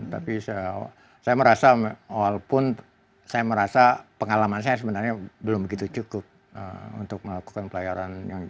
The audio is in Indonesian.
tapi saya merasa walaupun saya merasa pengalaman saya sebenarnya belum begitu cukup untuk melakukan pelayaran